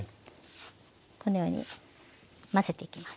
このように混ぜていきます。